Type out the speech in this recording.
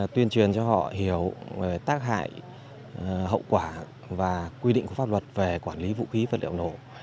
tuyên truyền cho họ hiểu về tác hại hậu quả và quy định của pháp luật về quản lý vũ khí vật liệu nổ